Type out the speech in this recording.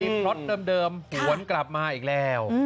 มีพล็อตเดิมหวนกลับมาอีกแล้ว